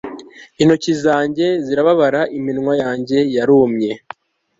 intoki zanjye zirababara, iminwa yanjye yarumye